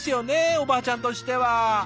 おばあちゃんとしては。